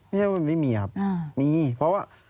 ไม่ใช่มันไม่มีครับมีเพราะว่า